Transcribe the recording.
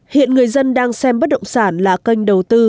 hiện người dân đang xem bất động sản là kênh đầu tư